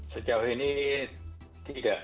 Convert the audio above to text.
sejauh ini tidak